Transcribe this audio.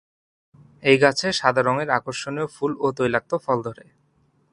এই গাছে সাদা রংয়ের আকর্ষনীয় ফুল ও তৈলাক্ত ফল ধরে।